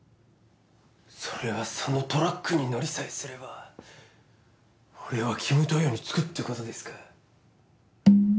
それはそのトラックに乗りさえすれば俺はキムタヤに着くってことですか？